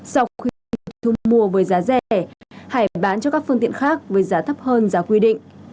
sau khi thu mua với giá rẻ hải bán cho các phương tiện khác với giá thấp hơn giá quy định